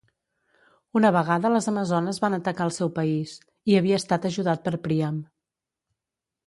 Una vegada les amazones van atacar el seu país, i havia estat ajudat per Príam.